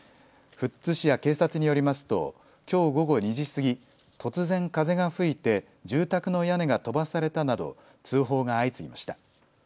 富津市や警察によりますときょう午後２時過ぎ、突然、風が吹いて住宅の屋根が飛ばされたなど通報が相次ぎました。